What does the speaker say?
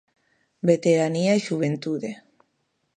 Veteranía e xuventude.